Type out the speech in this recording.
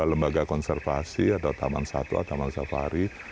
dua lembaga konservasi atau taman satwa taman safari